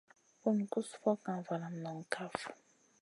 Bun gus fokŋa valam noŋ kaf.